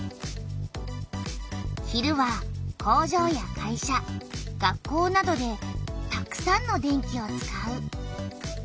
昼は工場や会社学校などでたくさんの電気を使う。